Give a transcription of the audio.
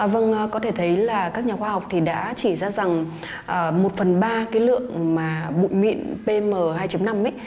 vâng có thể thấy là các nhà khoa học thì đã chỉ ra rằng một phần ba cái lượng bụi mịn pm hai năm